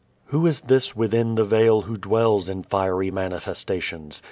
Who is this within the veil who dwells in fiery manifestations?